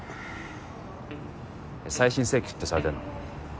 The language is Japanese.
えっ再審請求ってされてんの？